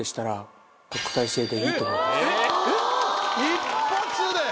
一発で。